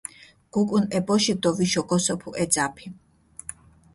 გუკუნ ე ბოშიქ დო ვიშო გოსოფუ ე ძაფი.